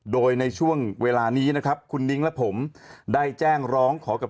โดยในช่วงเวลานี้นะครับคุณนิ้งและผมได้แจ้งร้องขอกับ